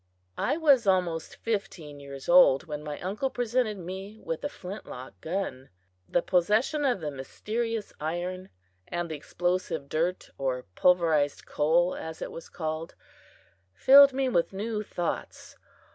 I was almost fifteen years old when my uncle presented me with a flint lock gun. The possession of the "mysterious iron," and the explosive dirt, or "pulverized coal," as it is called, filled me with new thoughts.